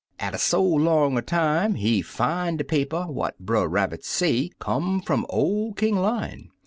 Alter so long a time, he fin' de paper what Brer Rabbit say come fum ol' King Lion.